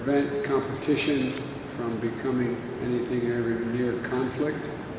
mengelola perbedaan dari menjadi sesuatu yang dekat dengan konflik